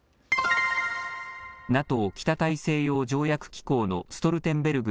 ＮＡＴＯ・北大西洋条約機構のストルテンベルグ